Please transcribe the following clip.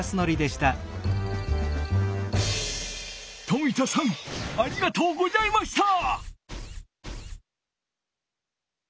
冨田さんありがとうございました！